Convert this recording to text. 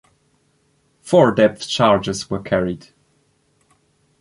Four depth charges were carried.